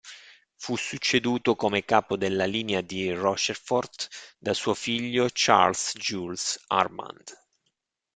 Fu succeduto come capo della linea di Rochefort da suo figlio, Charles Jules Armand.